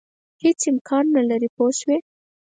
هېڅ امکان نه لري پوه شوې!.